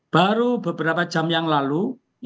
baru beberapa jam yang lalu